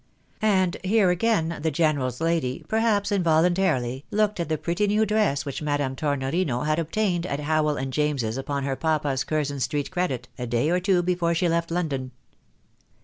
And here again, the general's lady, perhaps involuntarily, looked at the pretty new dress which Madame Tornorino had obtained at Howel and James's upon her papa's Curzon street credit, a day or two before she left London.